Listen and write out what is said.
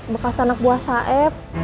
bekas anak buah saeb